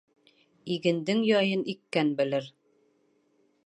Игендең яйын иккән белер